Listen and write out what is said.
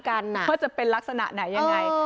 ว่าจะเป็นลักษณะไหนยังไง